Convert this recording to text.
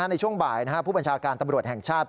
ในช่วงบ่ายผู้บัญชาการตำรวจแห่งชาติ